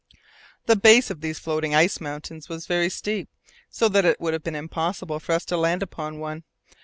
The base of these floating ice mountains was very steep, so that it would have been impossible for us to land upon one.